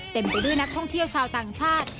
ไปด้วยนักท่องเที่ยวชาวต่างชาติ